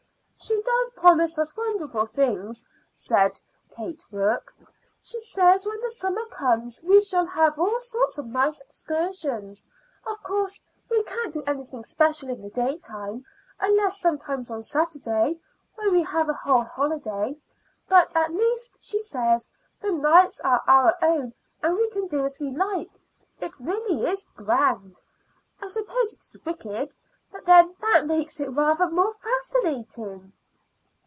"She does promise us wonderful things," said Kate Rourke. "She says when the summer comes we shall have all sorts of nice excursions. Of course, we can't do anything special in the daytime, unless sometimes on Saturday, when we have a whole holiday; but at least; she says, the nights are our own and we can do as we like. It really is grand. I suppose it is wicked, but then that makes it rather more fascinating."